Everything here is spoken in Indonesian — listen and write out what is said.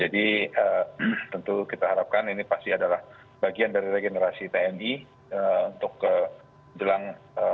jadi tentu kita harapkan ini pasti adalah bagian dari regenerasi tni untuk ke jelang